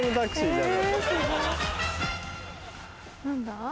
何だ？